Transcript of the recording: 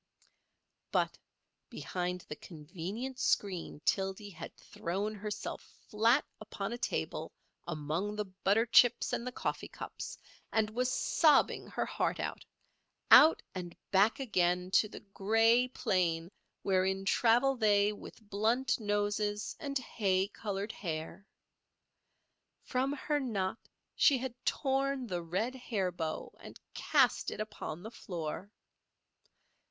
But behind the convenient screen Tildy had thrown herself flat upon a table among the butter chips and the coffee cups, and was sobbing her heart out—out and back again to the grey plain wherein travel they with blunt noses and hay coloured hair. From her knot she had torn the red hair bow and cast it upon the floor.